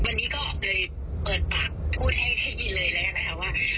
วันนี้ก็เลยเปิดปากพูดให้ได้ยินเลยแล้วนะคะว่า